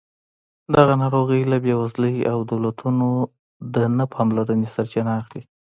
دغه ناروغۍ له بېوزلۍ او دولتونو له نه پاملرنې سرچینه اخلي.